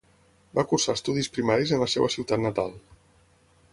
Va cursar estudis primaris en la seva ciutat natal.